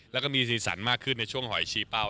แล้วก็มีสีสันมากขึ้นในช่วงหอยชี้เป้า